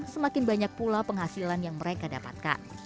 semakin banyak pula penghasilan yang mereka dapatkan